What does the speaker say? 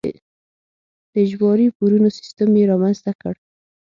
د اجباري پورونو سیستم یې رامنځته کړ.